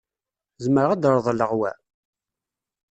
Zemreɣ ad reḍleɣ wa?